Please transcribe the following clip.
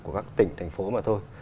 của các tỉnh thành phố mà thôi